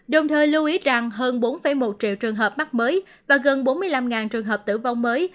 đồng thời lưu ý rằng hơn bốn một triệu trường hợp mắc mới và gần bốn mươi năm trường hợp tử vong mới